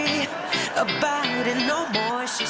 saya akan mencoba